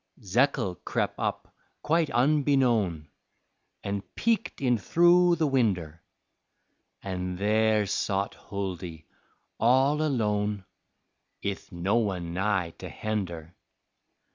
Zekle crep' up quite unbeknown An' peeked in thru' the winder, An' there sot Huldy all alone, 'Ith no one nigh to hender.